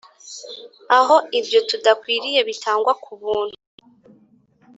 aho ibyo tudakwiriye bitangwa kubuntu